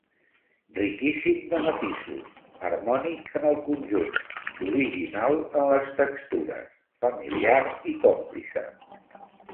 Riquíssim de matisos, harmònic en el conjunt, original en les textures, familiar i còmplice.